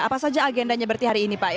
apa saja agendanya berarti hari ini pak